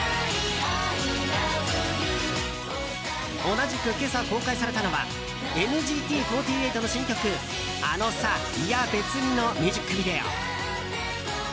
同じく、今朝公開されたのはＮＧＴ４８の新曲「あのさ、いや別に」のミュージックビデオ。